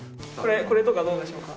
これとかどうでしょうか？